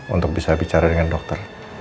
untuk bisa bicara dengan dokter